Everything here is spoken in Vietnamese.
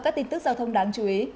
các tin tức giao thông đáng chú ý